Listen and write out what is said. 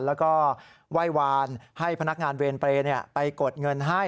แล้วก็ไหว้วานให้พนักงานเวรเปรย์ไปกดเงินให้